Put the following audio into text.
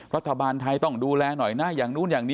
รัฐบาลไทยต้องดูแลหน่อยนะอย่างนู้นอย่างนี้